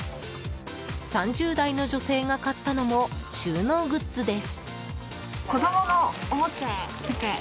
３０代の女性が買ったのも収納グッズです。